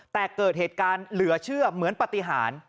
แต่เกิดเหตุการณ์เหลือเชื่อเหมือนปฏิหาร